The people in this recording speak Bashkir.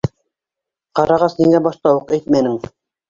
- Ҡарағас, ниңә башта уҡ әйтмәнең?